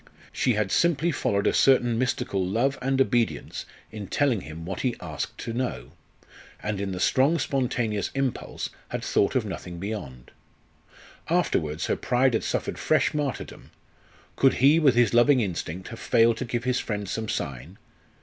She had simply followed a certain mystical love and obedience in telling him what he asked to know, and in the strong spontaneous impulse had thought of nothing beyond. Afterwards her pride had suffered fresh martyrdom. Could he, with his loving instinct, have failed to give his friend some sign?